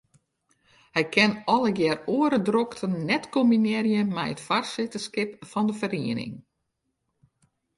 Hij kin allegear oare drokten net kombinearje mei it foarsitterskip fan 'e feriening.